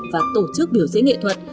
và tổ chức biểu diễn nghệ thuật